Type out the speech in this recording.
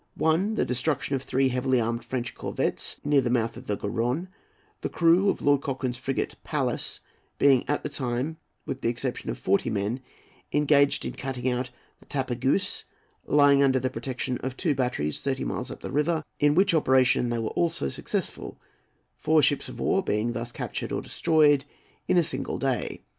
The destruction of three heavily armed French corvettes, near the mouth of the Garonne, the crew of Lord Cochrane's frigate, Pallas, being at the time, with the exception of forty men, engaged in cutting out the Tapageuse, lying under the protection of two batteries thirty miles up the river, in which operation they were also successful, four ships of war being thus captured or destroyed in a single day.